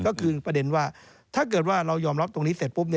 ก็คือประเด็นว่าถ้าเกิดว่าเรายอมรับตรงนี้เสร็จปุ๊บ